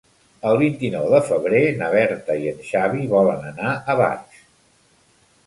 El vint-i-nou de febrer na Berta i en Xavi volen anar a Barx.